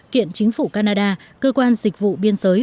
kiện chính phủ canada cơ quan dịch vụ biên giới